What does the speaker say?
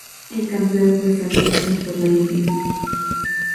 El campeón fue Santos en forma invicta.